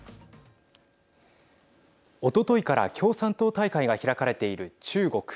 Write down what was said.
おとといから共産党大会が開かれている中国。